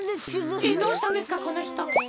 えっどうしたんですかこのひと。